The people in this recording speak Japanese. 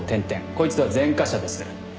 こいつは前科者です。